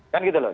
kan gitu loh